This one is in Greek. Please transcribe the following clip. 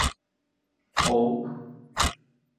Όουπ!